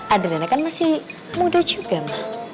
adriana kan masih muda juga ma